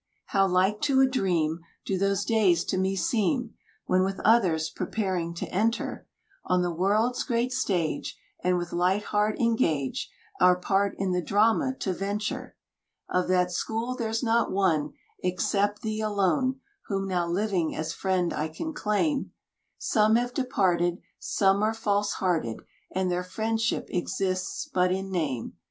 How like to a dream Do those days to me seem, When with others preparing to enter On the world's great stage, And with light heart engage Our part in the drama to venture. Of that school there's not one Except thee alone, Whom now living as friend I can claim; Some have departed, Some are false hearted, And their friendship exists but in name.